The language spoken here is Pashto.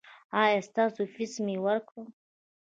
ایا ستاسو فیس مې ورکړ؟